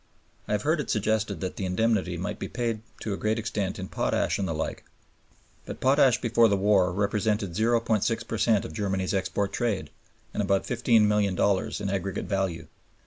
I have heard it suggested that the indemnity might be paid to a great extent in potash and the like. But potash before the war represented 0.6 per cent of Germany's export trade, and about $15,000,000 in aggregate value.